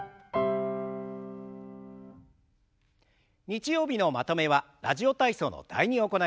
日曜日のまとめは「ラジオ体操」の「第２」を行います。